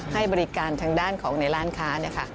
ให้บริการทางด้านของในล่านค้า